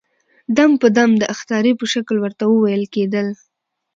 دم په دم د اخطارې په شکل ورته وويل کېدل.